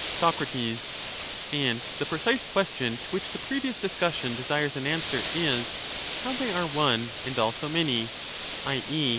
Soc, And the precise question to which the previous dis cussion desires an answer is, how they are one and also many [i.